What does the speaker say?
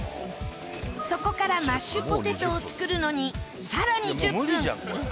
そこからマッシュポテトを作るのに更に１０分。